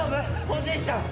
おじいちゃん！